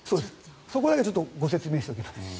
そこだけご説明しておきます。